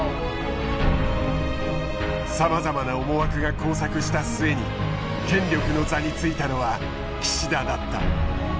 さまざまな思惑が交錯した末に権力の座についたのは岸田だった。